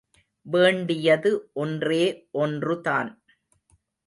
வேண்டியது ஒன்றே ஒன்று தான்.